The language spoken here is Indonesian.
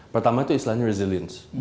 pertama itu istilahnya resilience